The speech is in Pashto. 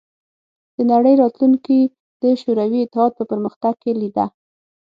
د نړۍ راتلونکې د شوروي اتحاد په پرمختګ کې لیده